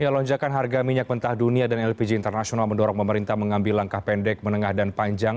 lonjakan harga minyak mentah dunia dan lpg internasional mendorong pemerintah mengambil langkah pendek menengah dan panjang